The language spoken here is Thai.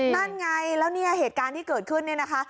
นั่นไงแล้วเนี่ยเหตุการณ์ที่เกิดขึ้นเนี่ยนะคะ